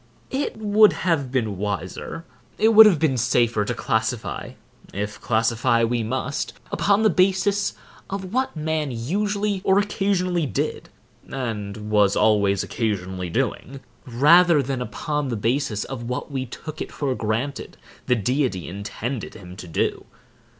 It would have been wiser, it would have been safer, to classify (if classify we must) upon the basis of what man usually or occasionally did, and was always occasionally doing, rather than upon the basis of what we took it for granted the Deity intended him to do.